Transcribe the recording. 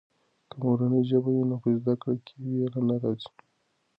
که مورنۍ ژبه وي نو په زده کړه کې وېره نه راځي.